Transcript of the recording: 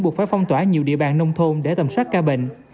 buộc phải phong tỏa nhiều địa bàn nông thôn để tầm soát ca bệnh